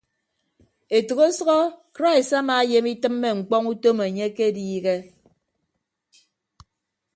Etәk ọsʌhọ krais amaayem itịmme ñkpọñ utom enye akediihe.